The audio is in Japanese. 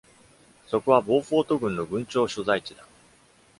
そこはボーフォート郡の郡庁所在地だ。